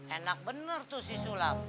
enak bener tuh si sulam